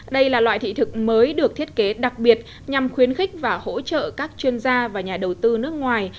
đây là loại thị thực mới được thiết kế đặc biệt nhằm khuyến khích và hỗ trợ các chuyên gia và nhà đầu tư nước ngoài